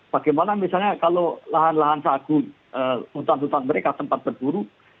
bagaimana misalnya kalau lahan lahan sagu hutan hutan mereka tempat berburu